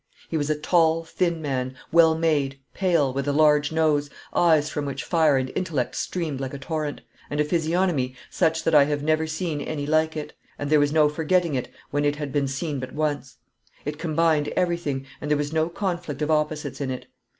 He was a tall, thin man, well made, pale, with a large nose, eyes from which fire and intellect streamed like a torrent, and a physiognomy such that I have never seen any like it, and there was no forgetting it when it had been seen but once. It combined everything, and there was no conflict of opposites in it.